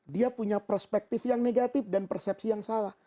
dia punya perspektif yang negatif dan persepsi yang salah